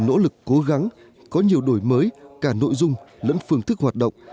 nỗ lực cố gắng có nhiều đổi mới cả nội dung lẫn phương thức hoạt động